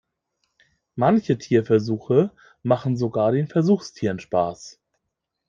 Manche Tierversuche machen sogar den Versuchstieren Spaß.